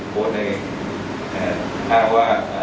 โบสถ์ในท่าว่า